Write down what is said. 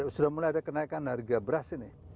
sudah mulai ada kenaikan harga beras ini